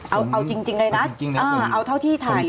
เอาจริงเลยนะเอาเท่าที่ถ่ายเลย